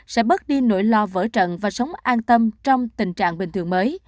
sẽ bớt đi nỗi lo vỡ trận và sống an tâm trong tình trạng bình thường mới